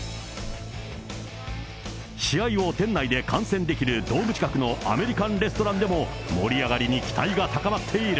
試合を店内で観戦できるドーム近くのアメリカンレストランでも、盛り上がりに期待が高まっている。